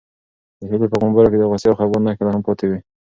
د هیلې په غومبورو کې د غوسې او خپګان نښې لا هم پاتې وې.